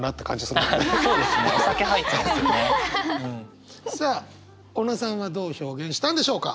さあ小野さんはどう表現したんでしょうか？